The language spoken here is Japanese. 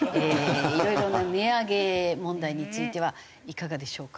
いろいろな値上げ問題についてはいかがでしょうか？